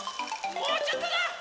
もうちょっとだ！